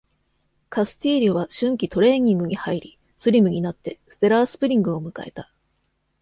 カスティーリョは春季トレーニングに入り、スリムになって、ステラー・スプリングを迎えた。